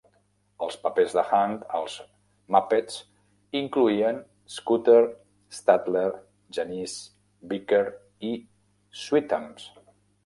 Els papers de Hunt als muppets incloïen Scooter, Statler, Janice, Beaker i Sweetums.